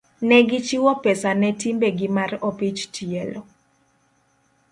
Ne gichiwo pesa ne timbegi mar opich tielo.